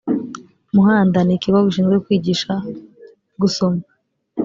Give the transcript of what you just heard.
muhanda n ikigo gishinzwe kwigisha gusoma